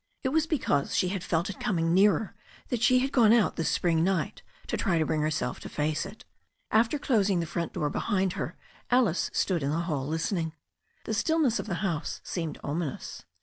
It was because she had felt it coming nearer that she had gone out this spring night to try to bring herself to face it. After closing the front door behind her Alice stood in the hall listening. The stillness of the house seemed ominous.